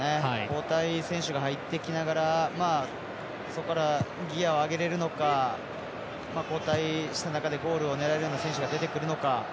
交代選手が入ってきながらそこからギアを上げられるのか交代した中でゴールを狙えるような選手が出てくるのか。